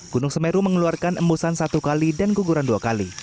gunung semeru mengeluarkan embusan satu kali dan guguran dua kali